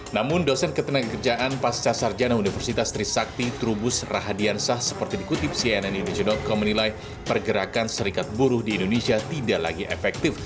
namun dosen ketenaga kerjaan pasca sarjana universitas trisakti trubus rahadiansah seperti dikutip cnn indonesia com menilai pergerakan serikat buruh di indonesia tidak lagi efektif